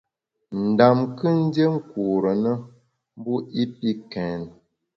Ndam kù ndié nkure na mbu i pi kèn.